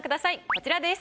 こちらです。